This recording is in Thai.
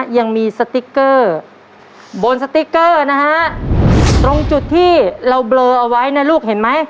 ยังมีสติ๊กเกอร์บนสติ๊กเกอร์นะฮะตรงจุดที่เราเบลอเอาไว้นะลูกเห็นไหม